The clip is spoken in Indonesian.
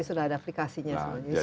sudah ada aplikasinya